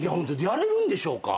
やれるんでしょうか？